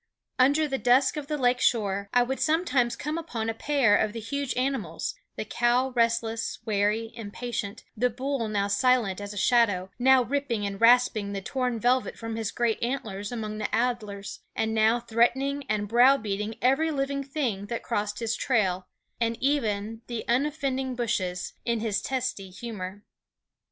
Under the dusk of the lake shore I would sometimes come upon a pair of the huge animals, the cow restless, wary, impatient, the bull now silent as a shadow, now ripping and rasping the torn velvet from his great antlers among the alders, and now threatening and browbeating every living thing that crossed his trail, and even the unoffending bushes, in his testy humor.